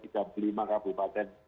tiga puluh lima kabupaten